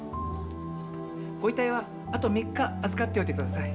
ご遺体はあと３日預かっておいてください。